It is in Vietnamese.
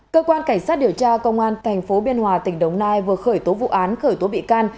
cơ quan cảnh sát điều tra công an tp biên hòa tỉnh đồng nai vừa khởi tố vụ án khởi tố bị can